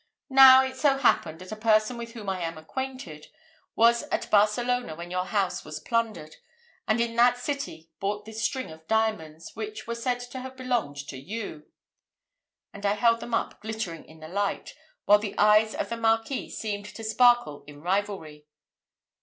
Now it so happened, that a person with whom I am acquainted, was at Barcelona when your house was plundered, and in that city bought this string of diamonds, which were said to have belonged to you," and I held them up glittering in the light, while the eyes of the Marquis seemed to sparkle in rivalry.